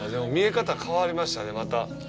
見え方が変わりましたね、また。